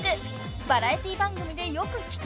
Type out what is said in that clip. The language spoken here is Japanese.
［「バラエティ番組でよく聴く曲」］